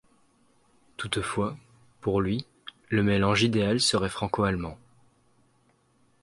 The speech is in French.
Toutefois, pour lui, le mélange idéal serait franco-allemand.